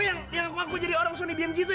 eh lu yang aku ngaku jadi orang sony bmg itu ya